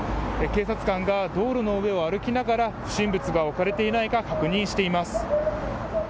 警察官が道路の上を歩きながら不審物が置かれていないか確認しています。